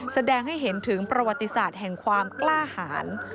แสดงให้เห็นถึงประวัติศาสตร์แห่งความกล้าหาร